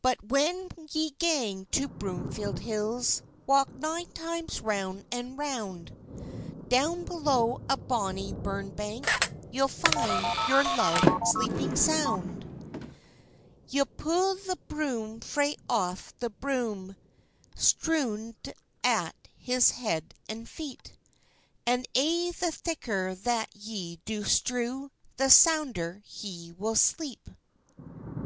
"But when ye gang to Broomfield Hills, Walk nine times round and round; Down below a bonny burn bank, Ye'll find your love sleeping sound. "Ye'll pu the bloom frae off the broom, Strew't at his head and feet, And aye the thicker that ye do strew, The sounder he will sleep.